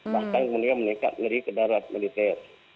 bahkan kemudian mereka mengeri ke darurat militer